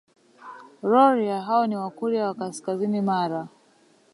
Rorya hao ni Wakurya wa kaskazini Mara